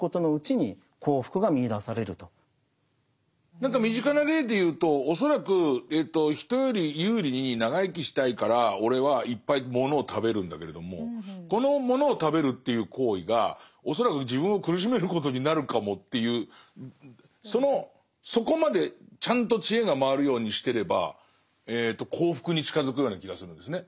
何か身近な例で言うと恐らく人より有利に長生きしたいから俺はいっぱいものを食べるんだけれどもこのものを食べるという行為が恐らく自分を苦しめることになるかもというそこまでちゃんと知恵が回るようにしてれば幸福に近づくような気がするんですね。